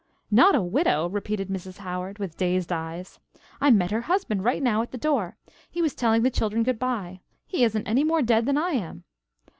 "Not a widow!" repeated Mrs. Howard with dazed eyes. "I met her husband right now at the door. He was telling the children good by. He isn't any more dead than I am."